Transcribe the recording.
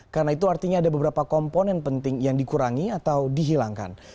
karena itu artinya ada beberapa komponen penting yang dikurangi atau dihilangkan